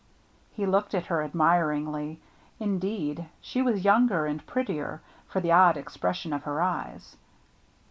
He looked at her admiringly. Indeed, she was younger and prettier, for the odd expres sion of her eyes.